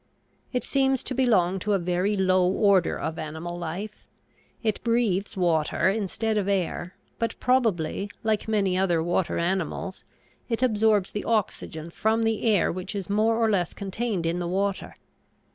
It seems to belong to a very low order of animal life. It breathes water instead of air, but probably, like many other water animals, it absorbs the oxygen from the air which is more or less contained in the water.